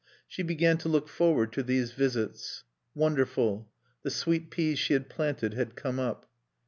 She began to look forward to these visits. Wonderful. The sweet peas she had planted had come up.